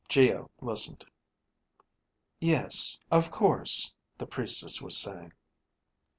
Geo listened. "Yes, of course," the Priestess was saying.